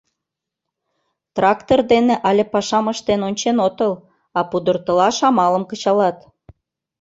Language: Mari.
— Трактор дене але пашам ыштен ончен отыл, а пудыртылаш амалым кычалат...